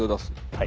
はい。